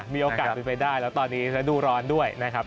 มีโอกาสเป็นไปได้แล้วตอนนี้ฤดูร้อนด้วยนะครับ